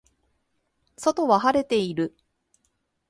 外は晴れている